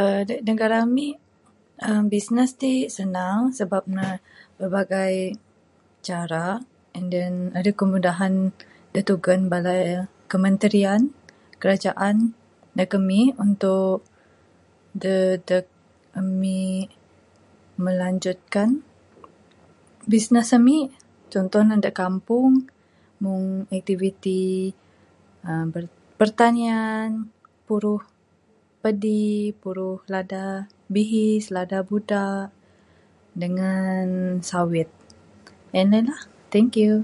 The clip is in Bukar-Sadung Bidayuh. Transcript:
uhh de negara mik, uhh bisnes tik senang, sebab ne, berbagai cara, and than edeh kemudahan de jugon bala kementerian, kerajaan deg emik, untuk dadeg emik, melanjutkan, bisnes emik, cuntoh ne de kampung mung aktiviti uhh pertanian, puruh pedi, puruh lada bihis, lada budak, dengan sawit, and than lah, thank you.